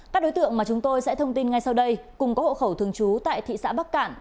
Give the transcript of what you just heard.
các đối tượng mà chúng tôi sẽ thông tin ngay sau đây cùng có hộ khẩu thường trú tại thị xã bắc cạn